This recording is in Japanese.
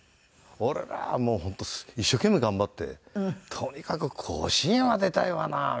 俺はもう本当一生懸命頑張ってとにかく甲子園は出たいわなみたいな。